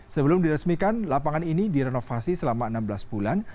sebelum diresmikan lapangan ini direnovasi selama enam belas bulan